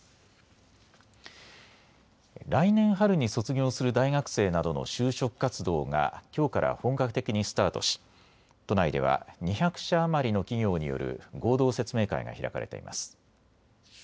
来年春に卒業する大学生などの就職活動がきょうから本格的にスタートし都内では２００社余りの企業による合同説明会が開かれています。